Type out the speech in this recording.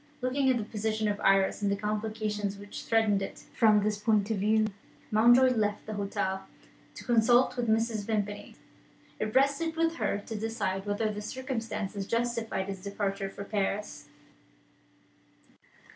Looking at the position of Iris, and at the complications which threatened it, from this point of view, Mountjoy left the hotel to consult with Mrs. Vimpany. It rested with her to decide whether the circumstances justified his departure for Paris.